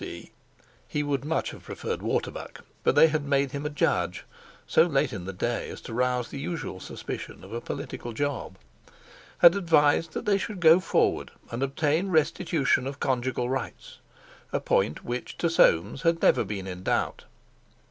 C.—he would much have preferred Waterbuck, but they had made him a judge (so late in the day as to rouse the usual suspicion of a political job)—had advised that they should go forward and obtain restitution of conjugal rights, a point which to Soames had never been in doubt.